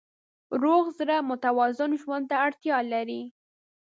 روغ زړه متوازن ژوند ته اړتیا لري.